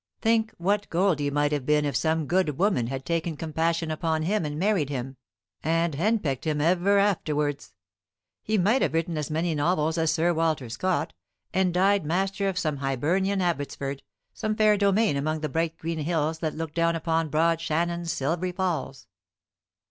Think what Goldy might have been if some good woman had taken compassion upon him and married him, and henpecked him ever afterwards. He might have written as many novels as Sir Walter Scott, and died master of some Hibernian Abbotsford, some fair domain among the bright green hills that look down upon broad Shannon's silvery falls.